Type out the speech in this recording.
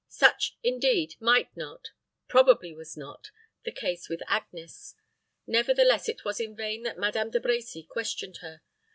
Such, indeed, might not probably was not. the case with Agnes. Nevertheless, it was in vain that Madame De Brecy questioned her.